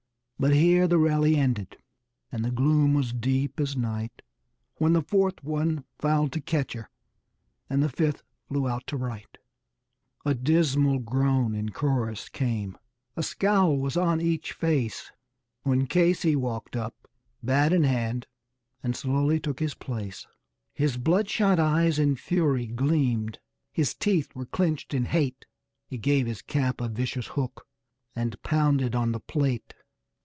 But here the rally ended and the gloom was deep as night When the fourth one "fouled to catcher," and the fifth "flew out to right." A dismal groan in chorus came a scowl was on each face When Casey walked up, bat in hand, and slowly took his place; His bloodshot eyes in fury gleamed; his teeth were clinched in hate; He gave his cap a vicious hook and pounded on the plate.